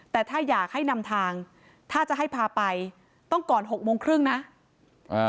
แต่ถ้าอยากให้นำทางถ้าจะให้พาไปต้องก่อนหกโมงครึ่งนะอ่า